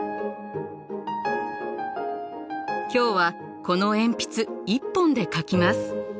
今日はこの鉛筆１本で描きます。